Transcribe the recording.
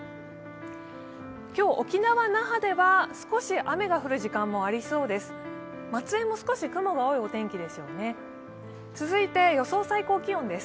今日、沖縄・那覇では少し雨が降る時間もありそうです。